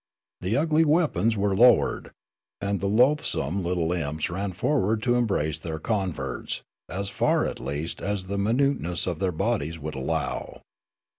The ugly weapons were lowered, and the loathsome little imps ran forward to embrace their converts, as far, at least, as the minute ness of their bodies would allow.